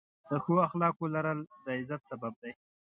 د ښو اخلاقو لرل، د عزت سبب دی.